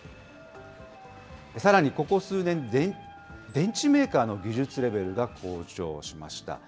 さらにここ数年、電池メーカーの技術レベルが向上しました。